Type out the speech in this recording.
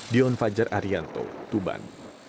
dion fajar arianto tuban